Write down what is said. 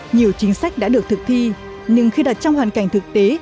nhiều chính sách đã được thực thi nhưng khi đặt trong hoàn cảnh thực tế